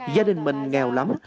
gia đình mình nghèo lắm